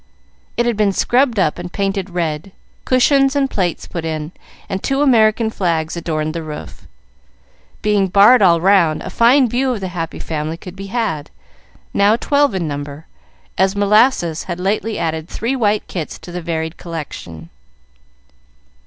It had been scrubbed up and painted red, cushions and plates put in, and two American flags adorned the roof. Being barred all round, a fine view of the Happy Family could be had, now twelve in number, as Molasses had lately added three white kits to the varied collection.